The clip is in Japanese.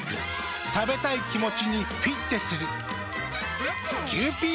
食べたい気持ちにフィッテする。